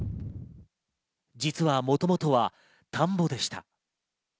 実は、もともとは田んぼでした。